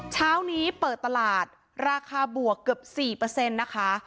เช้านี้เปิดตลาดราคาบวกเกือบ๔นะคะ